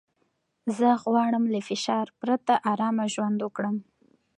زه غواړم له فشار پرته ارامه ژوند وکړم.